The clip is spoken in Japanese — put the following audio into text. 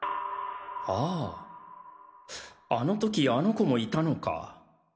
あぁあの時あの子もいたのか。